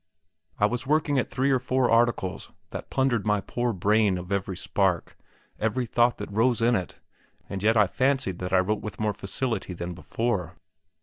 I was working at three or four articles, that plundered my poor brain of every spark, every thought that rose in it; and yet I fancied that I wrote with more facility than before.